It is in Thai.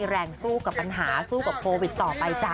แรงสู้กับปัญหาสู้กับโควิดต่อไปจ้ะ